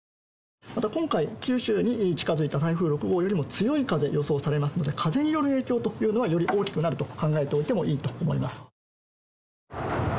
また、今回九州に近づいた台風６号よりも強い風、予想されますので、風による影響というのは、より大きくなると考えておいてもいいと思います。